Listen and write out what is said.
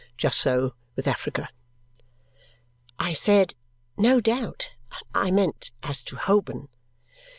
Just so with Africa." I said, "No doubt." I meant as to Holborn.